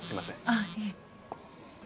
あっいえ。